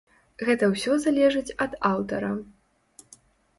Гэта ўсё залежыць ад аўтара.